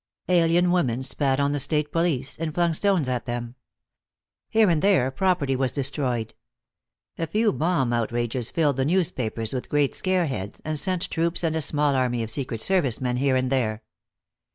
Alien women spat on the state police, and flung stones at them. Here and there property was destroyed. A few bomb outrages filled the newspapers with great scare heads, and sent troops and a small army of secret service men here and there.